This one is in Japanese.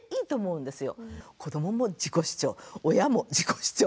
子どもも自己主張親も自己主張。